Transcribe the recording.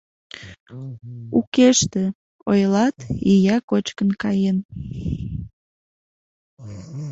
Укеште, ойлат, ия кочкын каен.